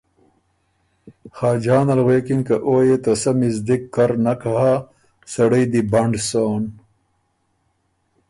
خاجان ال غوېکِن که او يې ته سۀ مِزدِک کر نک هۀ، سړئ دی بنډ سون